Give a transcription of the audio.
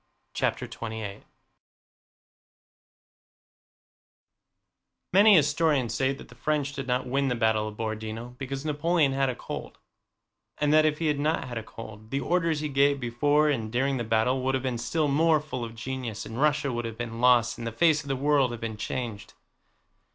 CHAPTER XXVIII Many historians say that the French did not win the battle of Borodinó because Napoleon had a cold, and that if he had not had a cold the orders he gave before and during the battle would have been still more full of genius and Russia would have been lost and the face of the world have been changed.